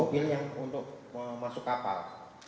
mobil yang untuk masuk kapal